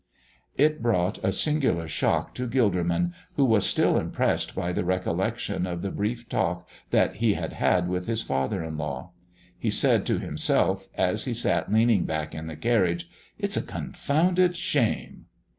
It brought a singular shock to Gilderman, who was still impressed by the recollection of the brief talk that he had had with his father in law. He said to himself, as he sat leaning back in the carriage, "It's a confounded shame!"